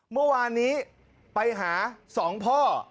เมื่อวานนี้ไปหา๒พ่อ